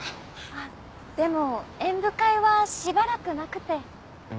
あっでも演舞会はしばらくなくて。